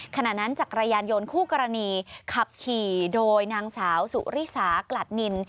ขณะนั้นจักรยานยนต์คู่กรณีขับขี่โดยนางสาวสุริสากลัดนิน